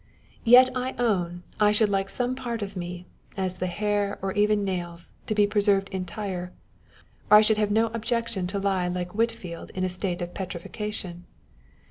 Yet I own I should like some part of me, as the hair or even nails, to be preserved entire, or I should have no objection to lie like Whitfield in a state of petrifaction.